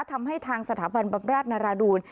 ทำให้ทางสถาบันบำราชนาราดูล